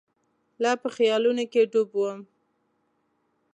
لا په خیالونو کې ډوب وم.